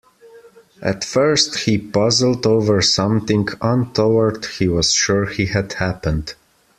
At first he puzzled over something untoward he was sure had happened.